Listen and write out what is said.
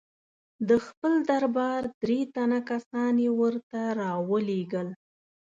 د خپل دربار درې تنه کسان یې ورته را ولېږل.